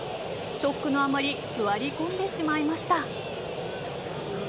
ショックのあまり座り込んでしまいました。